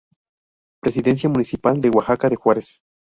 Presidencia Municipal de Oaxaca de Juárez